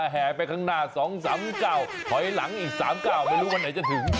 แห่ไปข้างหน้า๒๓๙ถอยหลังอีก๓๙ไม่รู้วันไหนจะถึง